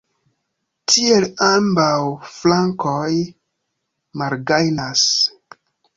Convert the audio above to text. Tiel ambaŭ flankoj malgajnas.